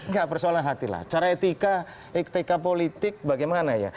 enggak persoalan hatilah cara etika etika politik bagaimana ya